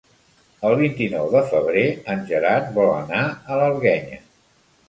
El vint-i-nou de febrer en Gerard vol anar a l'Alguenya.